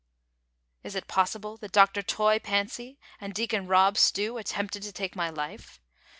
"Is it possible that Dr. Toy Fancy and Deacon Fob Stev. attempted to take my life